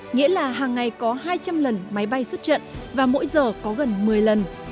nghĩa là hàng ngày có hai trăm linh lần máy bay xuất trận và mỗi giờ có gần một mươi lần